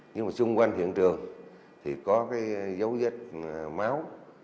nhưng mà xung quanh hiện trường thì có cái dấu vết máu